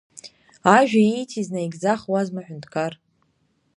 Ажәа ииҭиз наигӡахуазма аҳәынтқар.